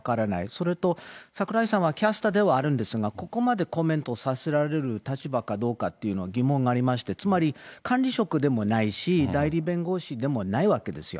それと、櫻井さんはキャスターではあるんですが、ここまでコメントさせられる立場かどうかっていうのは疑問がありまして、つまり管理職でもないし、代理弁護士でもないわけですよ。